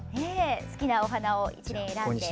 好きなお花を１輪選んで。